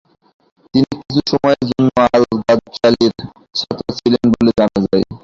তিনি কিছু সময়ের জন্য আল-গাজ্জালির ছাত্র ছিলেন বলে জানা যায়।